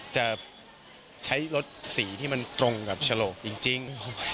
จะใช้รถสีที่มันตรงกับฉลกจริง